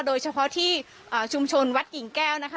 โดยเฉพาะที่ชุมชนวัดกิ่งแก้วนะคะ